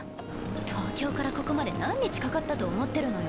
東京からここまで何日かかったと思ってるのよ。